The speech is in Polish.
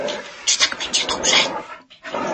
"Czy tak będzie dobrze?"